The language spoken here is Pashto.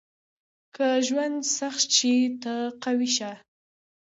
• که ژوند سخت شي، ته قوي شه.